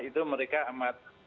itu mereka amat